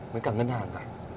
với cả ngân hàng